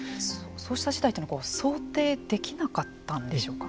そうした事態というのは想定できなかったんでしょうか。